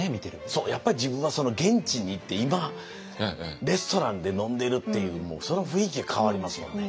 そうやっぱり自分はその現地に行って今レストランで飲んでるっていうその雰囲気で変わりますもんね。